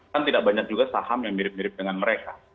kan tidak banyak juga saham yang mirip mirip dengan mereka